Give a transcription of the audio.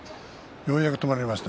ようやく止まりました。